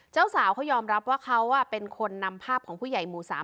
เจ้าสาวเขายอมรับว่าเขาเป็นคนนำภาพของผู้ใหญ่หมู่๓